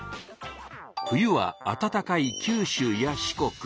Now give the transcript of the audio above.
冬はあたたかい九州や四国。